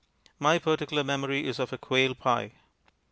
My particular memory is of a quail pie.